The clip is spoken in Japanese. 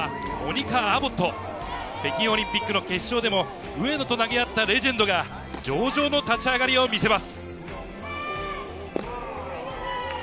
モニカ・アボット、北京オリンピックの決勝でも上野と投げ合ったレジェンドが上々の立ち上がりをみせます。